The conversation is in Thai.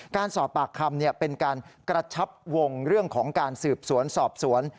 การสอบปากคำเป็นการกระชับวงเรื่องของการสืบสวนสอบสวน